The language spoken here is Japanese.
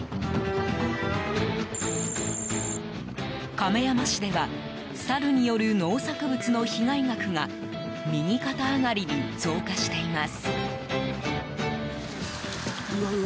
亀山市ではサルによる農作物の被害額が右肩上がりに増加しています。